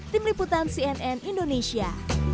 tim liputan cnn indonesia